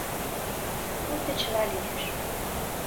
Пуйто чыла лиеш